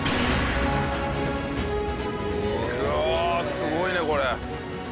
すごいねこれ。